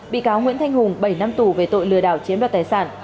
bị cáo nguyễn thanh hùng bảy năm tù về tội lừa đảo chiếm đoạt tài sản